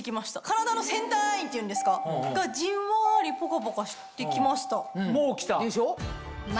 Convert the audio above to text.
体のセンターラインっていうんですか？がじんわりポカポカして来ました。